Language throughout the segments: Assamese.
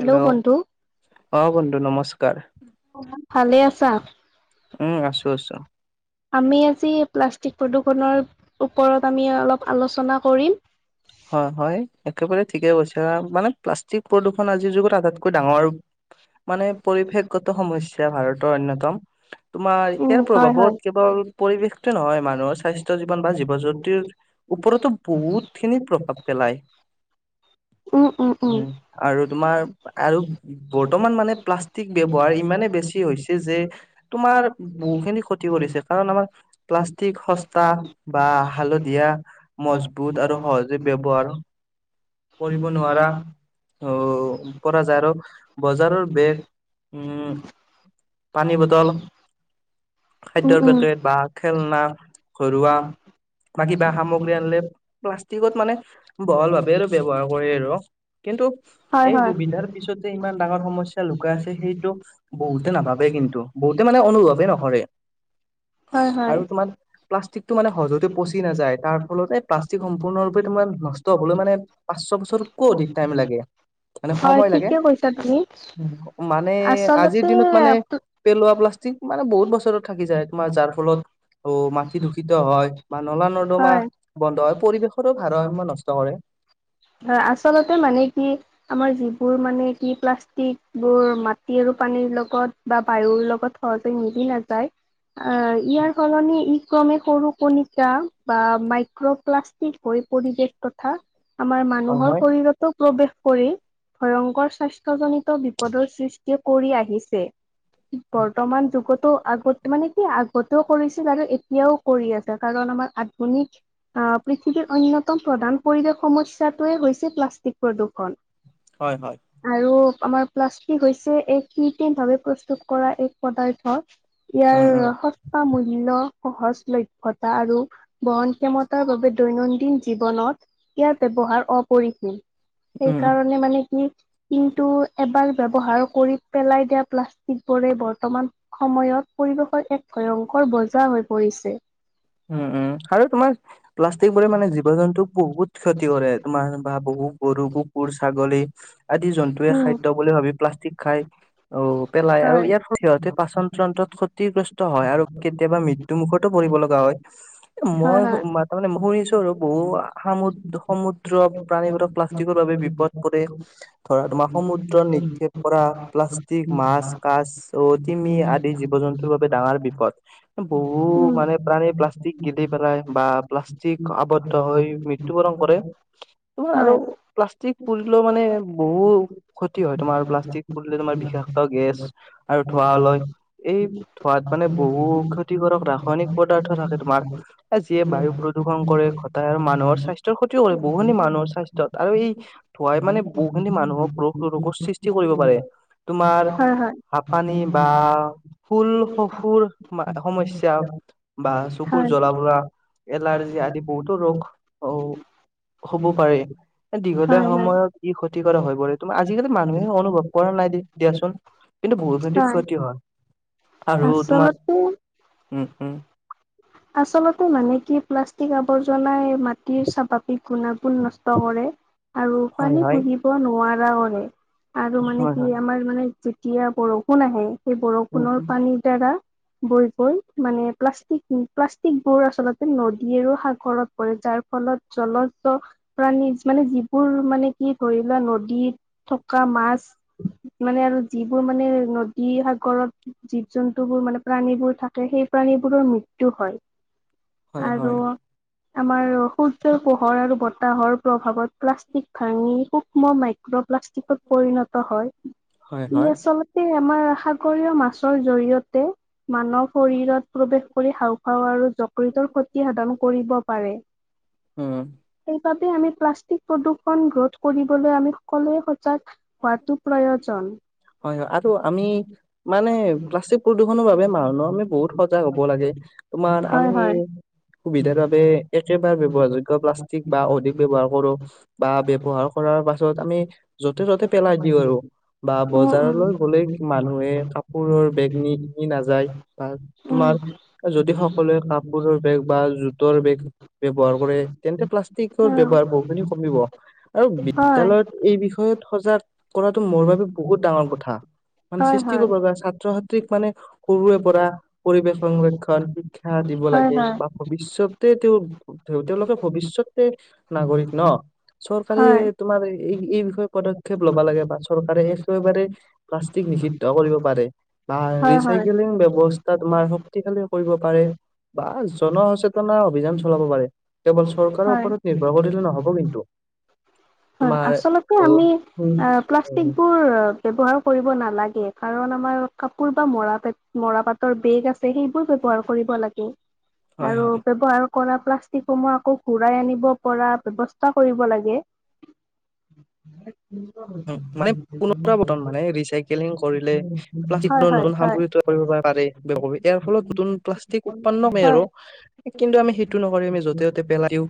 হেল্ল' অ বন্ধু নমস্কাৰ ভালে আছা? উম আছো আছো আমি আজি প্লাষ্টিক প্ৰদূৰ্ষনৰৰ ওপৰত আমি অলপ আলোচনা কৰিম। হয় হয় একেবাৰে ঠিকে কৈছে মানে প্লাষ্টিক প্ৰদূষণ আজিৰ যুগত আটাইতকৈ ডাঙৰ মানে পৰিৱেশগত সমস্যা ভাৰতৰ অন্যতম, তোমাৰ উম, ইয়াৰ হয়, প্ৰভাৱত হয়। কেৱল পৰিৱেশটোয়ে নহয় মানুহৰ স্বাস্থ্য জীৱন বা জীৱ জন্তৰ ওপৰতো বহুত খিনি প্ৰভাৱ পেলায়। [unintelligible] উম আৰু তোমাৰ আৰু বৰ্তমান মানে প্লাষ্টিক ব্যৱহাৰ ইমানে বেছি হৈছে যে তোমাৰ বহু খিনি ক্ষতি কৰিছে, কাৰণ আমাৰ প্লাষ্টিক সস্তা বা হালধীয়া মজবুত আৰু সহজ ব্যৱহাৰ কৰিব নোৱাৰা অ, যে পৰা যায় আৰু বজাৰৰ বেগ উম পানী [unintelligible] ন বটল বাম [unintelligible] খাদ্যৰ পেকেট বা খেলনা ঘৰুৱা বা কিবা সামগ্ৰী আনিলে প্লাষ্টিকত মানে বহল ভাৱে আৰু ব্যৱহাৰ কৰে আৰু। কিন্তু হয়, এই হয়। সুবিধাৰ পিছত যে ইমান ডাঙৰ সমস্যা লুকাই আছে সেইটো বহুতে নাভাবে। কিন্তু বহুতে মানে অনুভৱে নকৰে। [unintelligible] হয়। আৰু তোমাৰ প্লাষ্টিকটো মানে সহজতে পচি নাযায় তাৰ ফলতে প্লাষ্টিক সম্পূৰ্ণৰূপে তোমাৰ নষ্ট হবলৈ মানে পাঁচ ছয় বছৰতকো অধিক টাইম লাগে মানে হয়, সময় লাগে ঠিকে কৈছা তুমি। মানে আজিৰ আচলতে দিনত মানে পেলোৱা প্লা মানে বহুত বছৰত থাক ল তোমাৰ যাৰ ফলত অ মাটি দূষিত হয় বা নলা নৰ্দমা হয়। বন্ধ হয় পৰিৱেশ স ভাৰসাম্য নষ্ট কৰে হয় আচলতে মানে কি আমাৰ যিবোৰ মানে কি প্লাষ্টিক বোৰ ম মাটি আৰু পানীৰ লগত বা বায়ুৰ লগত সহজে মিলি নাযায় আহ ইয়াৰ সলনে ই ক্ৰমে সৰু কণিকা বা মাই ঘৰৰ প্লাষ্টিক [unintelligible] প্ৰৱেশ কৰি ভয়ংকৰ স্বাস্থ্যজনিত বিপদৰ সৃষ্টি কৰি আহিছে বৰ্তমান যুগতো আগত মানে আগতেও কৰিছিল আৰু এতিয়াও কৰি আছে কাৰণ আমাৰ আধুনিক আহ পৃথিৱীৰ অনয় অন্যতম প্ৰধান পৰিৱেশ সমস্যাটোৱে হৈছে প্লাষ্টিক প্ৰদূষণ হয় হয় আৰু আমাৰ প্লাষ্টিক হৈছে এক কীৰ্তেইন ভাৱে প্ৰস্তুত কৰা এক পদাৰ্থ উম উম ইয়াৰ সস্তা মূল্য সহজ লভ্যতা আৰু বহন ক্ষমতাৰ বাবে দৈনন্দিন জীৱনত ইয়াৰ ব্যৱহাৰ অপৰিসীম। সেই উম উম কাৰণে মানে কি কিন্তু এবাৰ ব্য্ৱহাৰ কৰি পেলাই দিয়া প্লাষ্টিক শশবোৰে বৰ্তমান সময়ত পৰিৱেশৰ এক ভয়ংকৰ বজা হৈ পৰিছে উম উম আৰু তোমাৰ প্লাষ্টিক বোৰে মানে জীৱ জন্তু বহুত ক্ষতি কৰে তোমাৰ বা বহু গৰু কুকুৰ ছাগলী আদি জন্তুৱে উম, খাদ্য বুলি ভাবি প্লাষ্টিক খাই। অ পেলাই আৰু হয়, ইয়াৰ সিহতে পাচন তন্ত্ৰত ক্ষতিগ্ৰস্ত হয় আৰু কেতিয়াবা ম্যু মুখো পৰিব লগা হয় হয়, মই হয়, তাৰমানে শুনিছো আৰু বহুু সম সমুদ্ৰ প্ৰাণীবোৰক প্লাষ্টিকৰ বাবে বিপদ কৰে ধৰা তোমাৰ সমুদ্ৰ নিক্ষেপ কৰা। প্লাষ্টিক মাছ কাছ অ তিিমি আদি জীৱ জন্তুৰ বাবে ডাঙৰ বিপদ বহু উম। মানে প্ৰাানে প্লাষ্টিক গিলি পেলাই বা প্লাষ্টিক আৱদ্ধ হৈ মৃত্যুবৰণ কৰে। তোমাৰ আৰু হয়, প্লাষ্টিক পুৰিলেও মানে বহুত ক্ষতি হয় তোমাৰ প্লাষ্টিক পুৰিলে তোমাৰ। বিশেষক গেছ আৰু ধঁৱা লয় এই ধঁোৱাত মানে বহু ক। ক্ষতিকাৰক ৰাসায়নিক পদাৰ্থ থাকে, তোমাৰ যিয়ে বায়ু প্ৰদূষণ কৰে ঘটাই আৰু মানুহৰ স্বাস্থ্যৰ ক্ষতি, বহুখিনি মানুহৰ স্বাস্থ্যত আৰু এই ধোঁৱাই মানে বহুখিনি মানুহক ৰোগ প্ৰতিৰোধৰ সৃষ্টি কৰিব পাৰে। তোমাৰ হয়, হয়, [inaudible] পানী বা ফুল [inaudible] সমস্যা বা চকুৰ হয়, জ্বলা পোৰা। এলাৰ্জি আদি বহুতো ৰোগ হব পাৰে। দীঘলীয়া হয়, হয়। সময়ত ই ক্ষতি কাৰক হৈ পৰে তোমাৰ আজিকালি মানুহে অনুভৱ কৰা নাই দিয় দিয়াচোন। কিন্তু বহুখিনি ক্ষতি হয়। আৰু তোমাৰ আচলতে, উম উম আচলতে মানে কি প্লাষ্টিক, আৱৰ্জনাই মাটিৰ স্বাভাৱিক গুণাগুণ নষ্ট কৰে আৰু হয় পানী হয় হুহিব নোৱাৰে। আৰু মানে হয় কি হয় আমাৰ মানে যেতিয়া বৰষুণ আহে, উম সোণৰ উম পানীৰ দ্বাৰা বৈ বৈ মানে প্লাষ্টিক প্লাষ্টিকবোৰ আচলতে নদীয়েদি সাগৰত পৰি যায়। ফলত জলচৰ প্ৰাণী মানে যিবোৰ মানে কি ধৰিলোৱা নদীত থকা। মাছ মানে আৰু যিবোৰ মানে নদী সাগৰত, জীৱ জন্তুবোৰ মানে প্ৰাণীবোৰ থাকে সেই প্ৰাণীবোৰৰ মৃত্যু হয়। হয় আৰু হয় আমাৰ সূৰ্যৰ পোহৰ আৰু বতাহৰ প্ৰভাৱত প্লাষ্টিক ভাঙি সূক্ষ্ম মাইক্ৰপ্লাষ্টিক পৰিণত হয়। হয় ই হয় আচলতে আমাৰ সাগৰীয় মাছ [inaudible] জৰিয়তে মানৱ শৰীৰত প্ৰৱেশ কৰি হাওঁফাওঁ আৰু জকতৰ ক্ষতি সাধন কৰিব পাৰে। উম সেইবাবে আমি প্লাষ্টিক প্ৰদূষণ ৰোধ কৰিবলৈ আমি সকলোৱে সজাগ। কাৰাতো প্ৰয়োজন। হয়, হয় আৰু আমি মানে প্লাষ্টিক প্ৰদূষণৰ বাবে মানুহ আমি বহুত সজাগ হ'ব লাগে। তোমাৰ হয় আমি হয় সুবিধাৰ বাবে একেবাৰ ব্যৱহাৰযোগ্য প্লাষ্টিক বা অধিক ব্যৱহাৰ কৰো বা ব্যৱহাৰ কৰা। কৰাৰ পাছত আমি য'তে ত'তে পেলাই দিওঁ আৰু বা [inaudible] উম উম। বজাৰলৈ গ'লে মানুহে কাপোৰ কাপোৰৰ বেগ নি নাযায় বা তোমাৰ উম যদি সকলোৱে কাপোৰৰ বেগ বা। জোতাৰ বেগ ব্যৱহাৰ কৰে তেন্তে প্লাষ্টিকৰ অ ব্যৱহাৰ বহুখিনি কমিব আৰু হয় বিদ্যালয়ত এই বিষয়ত সজাগ কৰাটো মোৰ বাবে বহুত ডাঙৰ কথা। মানে হয় সৃষ্টি হয়। কৰিব ছাত্ৰ ছাত্ৰীক মানে সৰুৰে পৰা হয় পৰিৱেশ সংৰক্ষণৰ শিক্ষা দিব হয় লাগে হয় বা ভৱিষ্যতে তেওঁ তেওঁলোকে ভৱিষ্যতৰ নাগৰিক ন চৰকাৰে তোমাৰ এই এই বিষয়ে পদক্ষেপ ল'ব লাগে বা চৰকাৰে। চৰকাৰে প্লাষ্টিক নিষিদ্ধ কৰিব পাৰে। বা হয় হয়। হয় ৰিচাইক্লিং ব্যৱস্থা তোমাৰ শক্তিশালী কৰিব পাৰে। বা জন সচেতনতাৰ অভিযান চলাব পাৰে, কেৱল চৰকাৰৰ হয় ওপৰত নিৰ্ভৰ কৰিলে নহ'ব কিন্তু। হয়। তোমাৰ আচলতে অ আমি উম এ উম প্লাষ্টিকবোৰ ব্যৱহাৰ কৰিব নালাগে কাৰণ আমাৰ কাপোৰ বা মৰা মৰা পাতৰ বেগ আছে সেইবোৰ ব্যৱহাৰ কৰিব লাগে। হয় আৰু হয় ব্যৱহাৰ কৰাত প্লাষ্টিকসমূহ আকৌ ঘূৰাই আনিব পৰা ব্যৱস্থা কৰিব লাগে। [inaudible] মানে পুনৰাবৰ্তন মানে ৰিচাইকেলিং কৰিলে প্লাষ্টিক হয় হয় নতুন হয় সামগ্ৰী তৈয়াৰ কৰিব পাৰে। ইয়াৰ ফলত নতুন প্লাষ্টিক উৎপন্ন হয় আৰু কিন্তু আমি সেইটো নকৰি আমি য'তে ত'তে পেলাই দিও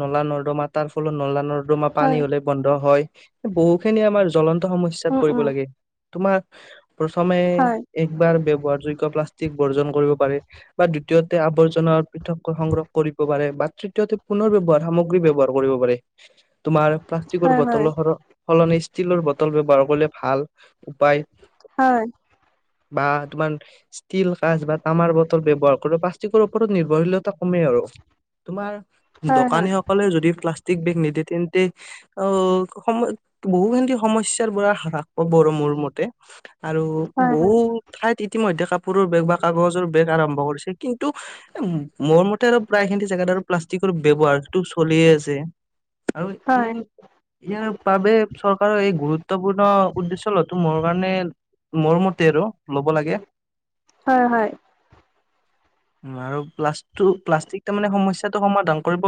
নলা নৰ্দমা তাৰ ফলত নলা নৰ্দমা পানী হয় ওলাই বন্ধ হয়। বহুখিনি আমাৰ জলন্ত সমস্যাত উম পৰিব উম লাগে তোমাৰ প্ৰথমে হয় একবাৰ ব্যৱহাৰযোগ্য প্লাষ্টিক বৰ্জন কৰিব পাৰে বা দ্বিতীয়তে আৱৰ্জনা পৃথককৈ সংগ্ৰহ কৰিব পাৰে বা তৃতীয়তে পুনৰ ব্যৱহাৰ সামগ্ৰী ব্যৱহাৰ কৰিব পাৰে তোমাৰ প্লাষ্টিকৰ হয় হয় বটলৰ স সলনি ষ্টিলৰ বটল ব্যৱহাৰ কৰিলে ভাল উপায়। হয়। বা তোমাৰ ষ্টীল কাজ বা তামাৰ বটল ব্যবহাৰ কৰি প্লষ্টিকৰ ওপৰত নিৰ্ভৰশীলতা কম আৰু তোমাৰ হয় হয় দোকানী সকলে যদি প্লাষ্টিক বেগ নিদে তেন্তে অ, সময় বহু খিনি সমস্যা পৰা হ্ৰাস পাব মোৰ মতে আৰু হয় হয় বহু ঠাইত ইতিমধ্যে কাপোৰৰ বেগ বা কাগজৰ বেগ আৰম্ভ কৰিছে কিন্তু মোৰ মতে আৰু প্ৰায় জোত আৰু প্লাষ্টিকৰ ব্য্ৱহাৰ সেইটো চলিয়ে আছে আৰু এই হয় ইয়াৰ বাবে চৰকাৰৰ এই গুৰুত্বপূৰ্ণ উদ্দেশ্য লোৱাটো মোৰ কাৰণে মোৰমতে আৰু ল'ব লাগে। হয় হয় আৰু প্লাষ্টো - প্লাষ্টিক তাৰ মানে সমস্যাটো সমাধান কৰিব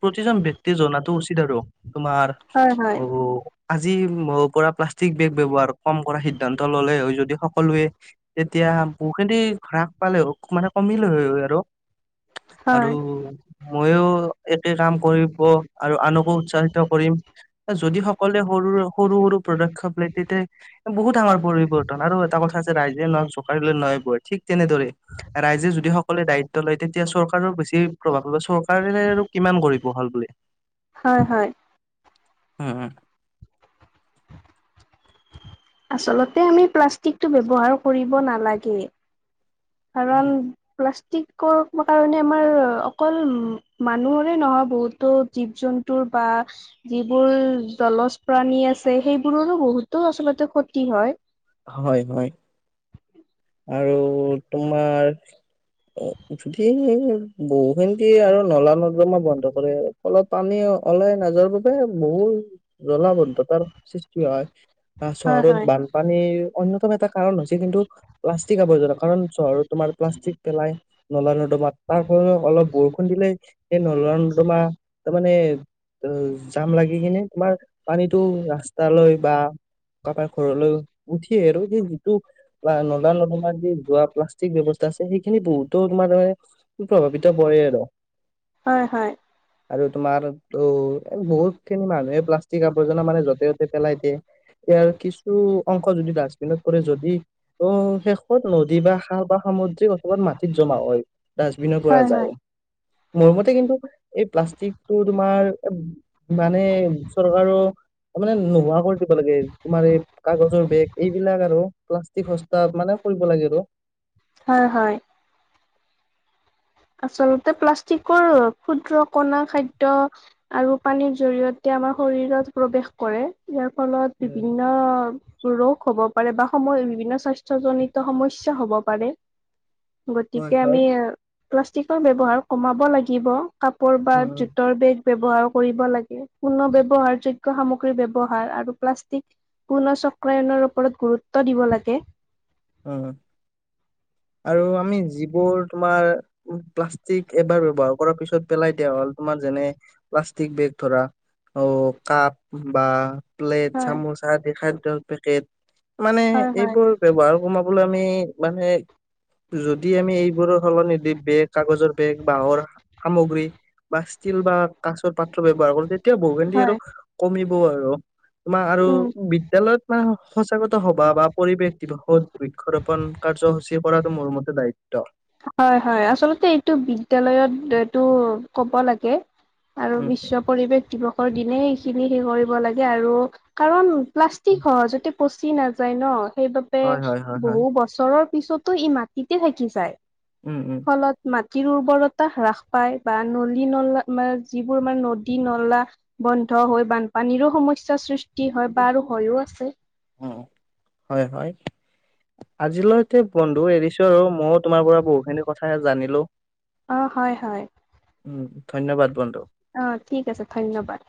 প্ৰতিজন বক্তি জাতো উচিত। আৰু তোমাৰ হয় অ আজি পৰা প্লাষ্টিক বেগ ব্যৱহাৰৰ কম কৰাৰ সিদ্ধান্ত ললে যদি সকলোৱে তেতিয়া বহু খিনি ঘৰা পালে মানে কমিলে হয় আৰু। আৰু হয় ময়ো একে কাম কৰিব আৰু হয় আনকো উৎসাহিত কৰিম। যদি সকলোৱে সৰু সৰু সৰু পদক্ষেপ লে তেতিয়া বহুত ডাঙৰ পৰিৱৰ্তন আৰু তটা। ক আছে ৰাইজে নহ চৈ নহ ব ঠিক তেনেদৰে। ৰাইজে যদি সকলোৱে দায়িত্ব লয় তেতিয়া চৰকাৰৰ বেছি প্ৰভাৱ পাব চৰকাৰে আৰু কিমান কৰিব হাল বুলি হয় হয়। উম। আচলতে আমি প্লাষ্টিকটো ব্যৱহাৰ কৰিব নালাগে। কাৰণ উম। প্লাষ্টিকৰ কাৰণে আমাৰ অকল উম, মানুহৰে নহয় বহুতো জীৱ জন্তুৰ বা যিবোৰ জল প্ৰাণী আছে সেইবোৰৰো বহুতো আচলতে ক্ষতি হয়। হয় হয় আৰু তোমাৰ। অ, যদি উ বহু খিনি আৰু নলা নৰ্দমা বন্ধ কৰে অলপ পানী ওলাই নাযোৱাৰ বাবে বহুল জলাবদ্ধতাৰ সৃষ্টি হয়। হয় - হয়। পানীৰয়তম এটা কাৰণ হৈছে কিন্তু প্লাষ্টিক আৱৰ্জ কাৰণ চ তমাৰ প্লাষ্টিক পেল ন নৰ্দমা তাৰ ফল অলপ বৰষুণ দিলে সেই নল নৰ্দমা তাৰমানে ত জাম লাগি কিনে তোমাৰ পানীতটো ৰাস্তালৈ বা কাপা ঘৰলৌ। উঠিয়ে আৰু এই যিটো নলা নদমা য যোৱা প্লাষ্টিক ব্যৱস্থা আছে সেইখিনি বহুতো। তোমাৰে প্ৰভাৱিত পৰে আৰু। হয় হয়। আৰু তোমাৰ অঁ বহুত খিনি মানুহে প্লাষ্টিক আৱৰ্জনা। ইয়াৰ কিছু [unintelligible] অংশ যদি ডাষ্টবিনত কৰে যদি অ, শেষত নদী বা সা বা সামুদ্ৰীক অথবা মাটিত। [inaudible] ডাষ্টবিনৰ হয় পৰা হয় যায় হয় মৰমতে কিন্তু। এই প্লাষ্টিকটো তোমাৰ। মানে চৰকাৰো ত মানে নোহোৱা কৰি দিব লাগে তোমাৰ এই। কাগজৰ বেগ এইবিলাক আৰু প্লাষ্টিক সস্তাত মানে কৰিব লাগে আৰু। হয় হয়। আচলতে প্লাষ্টিকৰ ক্ষুদ্ৰ কণা খাদ্য। আৰু পানীৰ জৰিয়তে আমাৰ শৰীৰত প্ৰৱেশ কৰে ইয়াৰ ফলত উম বিভিন্ন। ৰোগ হ'ব পাৰে বা সময়ত বিভিন্ন স্বাস্থ্যজনিত সমস্যা হ'ব পাৰে হয় গতিকে আমি হয় প্লাষ্টিকৰ বব্যবহাৰ কমাব লাগিব। কাপোৰ বা উম জোতৰ বেগ। ব্যৱহাৰৰ কৰিব লাগে সুণ ব্যৱহাৰ যোগ্যতা সামগ্ৰীৰ ব্যৱহাৰ আৰু প্লাষ্টিক পুণ চক্ৰায়নৰ ওপৰত গুৰুত্ব দিব লাগে। উম আৰু আমি যিবোৰ তোমাৰ প্লাষ্টিক এবাৰ ব্যৱহাৰ কৰাৰ পিছত পেলাই দিয়া হ'ল তোমাৰ যেনে প্লাষ্টিক বেগ ধৰা অ কাপ বা প্লেট হয় চামুচ আদি খাদ্যৰ পেকেট মানে হয় হয় এইবোৰ ব্যৱহাৰ কমাবলৈ আমি মানে যদি আমি এইবোৰৰ সলনি বেগ কাগজৰ বেগ বাঁহৰ সামগ্ৰী বা ষ্টিল বা কাচৰ পাত্ৰ ব্যৱহাৰ কৰোঁ তেতিয়া বহুখিনি হয় আৰু কমিব আৰু তোমাৰ আৰু বিদ্যালয়ত তোমাৰ সচাগত হবা বা পৰিৱেশ দিৱসত বৃক্ষৰোপণ কাৰ্যসূচী। কৰাটো মোৰ মতে দায়িত্ব হয় হয় আচলতে এইটো বিদ্যালয়ত এইটো ক'ব লাগে আৰু উম, বিশ্ব পৰিৱেশ দিৱস। দিনেই সেইখিনি কৰিব লাগে আৰু, কাৰণ প্লাষ্টিক উম, সহজতে পচি নাযায় ন সেইবাবে হয়, হয়, হয়, হয়, বহু বছৰৰ পিছতো ই মাটিতে থাকি যায়। উম, উম, ফলত মাতি ৰো উৰ্বৰতা হ্ৰাস পায় বা নলী নলা মানে যিবোৰ আমাৰ নদী নলা বন্ধ হৈ বানপানীৰো সমস্যাৰ সৃষ্টি হয় বা আৰু হয়ো আছে উম, হয় হয় আজিলৈ এতিয়া বন্ধু এৰিছো আৰু মও তোমাৰ পৰা বহুখিনি কথাই জানিলো। অ হয় হয়। উম, ধন্যবাদ বন্ধু। অ ঠিক আছে ধন্যবাদ।